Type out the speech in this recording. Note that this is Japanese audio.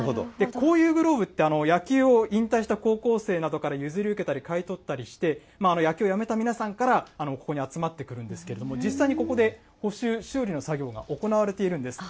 こういうグローブって野球を引退した高校生などから譲り受けたり買い取ったりして野球をやめた皆さんからここに集まってくるんですけれども、実際にここで補修、修理の作業が行われているんです。